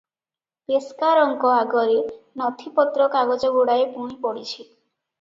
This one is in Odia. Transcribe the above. ପେସ୍କାରଙ୍କ ଆଗରେ ନଥିପତ୍ର କାଗଜଗୁଡ଼ାଏ ବୁଣି ପଡିଛି ।